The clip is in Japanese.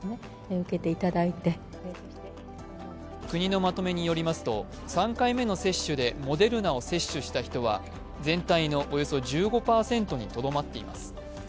国のまとめによりますと３回目の接種でモデルナを接種した人は全体のおよそ１５％にとどまっています。